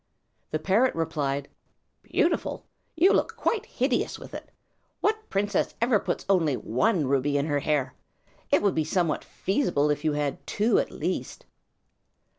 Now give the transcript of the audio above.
The parrot replied, "Beautiful! you look quite hideous with it! What princess ever puts only one ruby in her hair? It would be somewhat feasible if you had two at least."